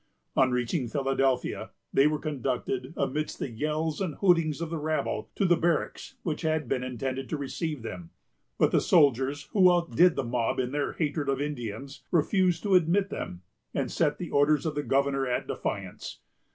On reaching Philadelphia, they were conducted, amidst the yells and hootings of the rabble, to the barracks, which had been intended to receive them; but the soldiers, who outdid the mob in their hatred of Indians, refused to admit them, and set the orders of the governor at defiance.